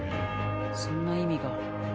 そんな意味が。